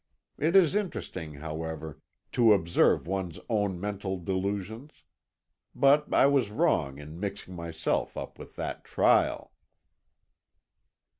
It is interesting, however, to observe one's own mental delusions. But I was wrong in mixing myself up with that trial."